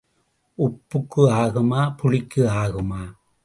உப்புக்கு ஆகுமா, புளிக்கு ஆகுமா?